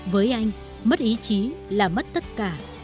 với anh mất ý chí là mất tất cả